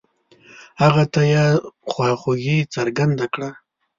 هغه ته يې خواخوږي څرګنده کړه.